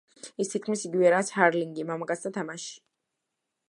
ის თითქმის იგივეა, რაც ჰარლინგი, მამაკაცთა თამაში.